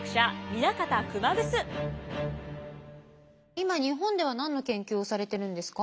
今日本では何の研究をされてるんですか？